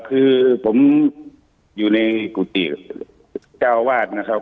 คือผมอยู่ในกุฏิเจ้าวาดนะครับ